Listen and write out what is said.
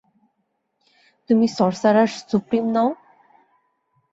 তুমি sorcerer supreme নও?